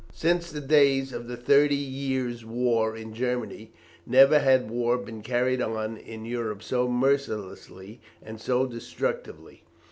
Since the days of the thirty years' war in Germany, never had war been carried on in Europe so mercilessly and so destructively.